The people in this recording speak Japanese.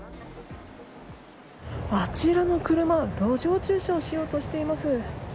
あちらの車、路上駐車をしようとしています。